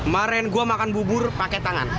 maren gua makan bubur pakai tangan